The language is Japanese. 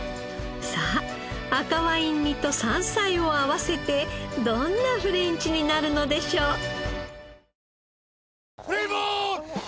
さあ赤ワイン煮と山菜を合わせてどんなフレンチになるのでしょう。